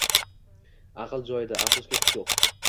Aql joyida, afsuski xush yo‘q